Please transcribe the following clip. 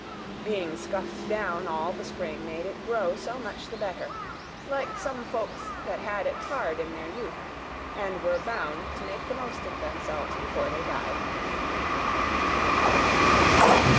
Being scuffed down all the spring made it grow so much the better, like some folks that had it hard in their youth, and were bound to make the most of themselves before they died.